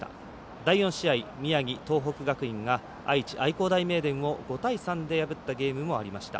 第４試合、宮城、東北学院が愛知、愛工大名電を５対３で破ったゲームもありました。